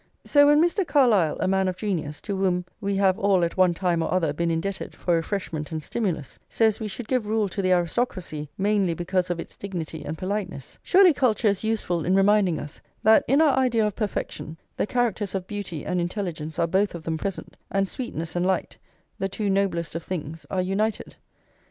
So when Mr. Carlyle, a man of genius to whom we have all at one time or other been indebted for refreshment and stimulus, says we should give rule to the aristocracy, mainly because of its dignity and politeness, surely culture is useful in reminding us, that in our idea of perfection the characters of beauty and intelligence are both of them present, and sweetness and light, the two noblest of things, are united.